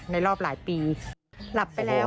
ในรอบหลายปี